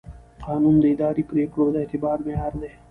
قانون د اداري پرېکړو د اعتبار معیار دی.